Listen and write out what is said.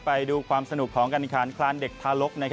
ไปดูความสนุกของการขานคลานเด็กทารก